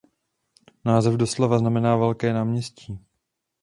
Název doslova znamená "velké náměstí".